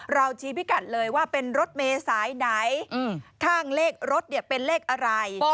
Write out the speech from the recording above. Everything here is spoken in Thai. ชี้พิกัดเลยว่าเป็นรถเมษายไหนข้างเลขรถเป็นเลขอะไร